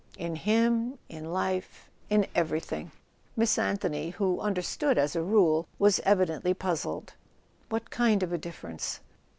"In him—in life—in everything." Miss Anthony, who understood as a rule, was evi¬ dently puzzled. "What kind of a difference?"